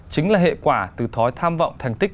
chính là hệ quả từ thói tham vọng thành tích